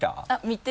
見て。